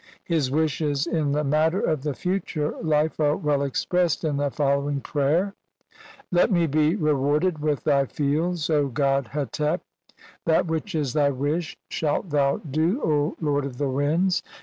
His wishes in the matter of the future life are well expressed in the following prayer (see p. 172): — "Let me be reward ed with thy fields, O god Hetep ; that which is "thy wish shalt thou do, O lord of the winds.